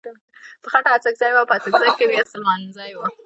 په خټه اڅکزی و او په اڅګزو کې بيا سليمانزی و.